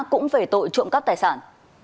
cũng về tội trộm cắp tài sản